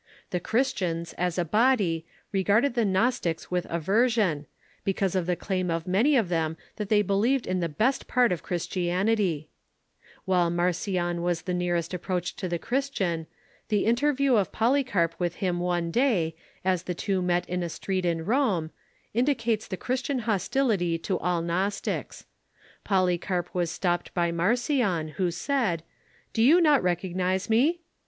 The Christians, as a body, regard ed the Gnostics Avith aversion, because of the claim of many of them that they believed in the best part of Christianity. 30 THE EARLY CUUECII While Marcion was the nearest approach to the Christian, the interview of Polycarp with him one day, as the two met in a street in Rome, indicates the Christian hostility to all Gnos tics. Polycarp was stopped by Marcion, who said : "Do you not recognize me